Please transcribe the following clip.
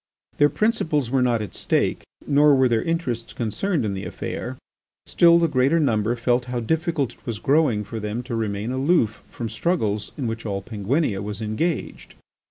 Their principles were not at stake, nor were their interests concerned in the affair. Still the greater number felt how difficult it was growing for them to remain aloof from struggles in which all Penguinia was engaged.